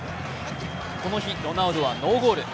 この日ロナウドはノーゴール。